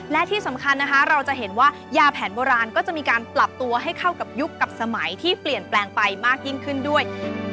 และที่สำคัญนะคะเราจะเห็นว่ายาแผนโบราณก็จะมีการปรับตัวให้เข้ากับยุคกับสมัยที่เปลี่ยนแปลงไปมากยิ่งขึ้นด้วย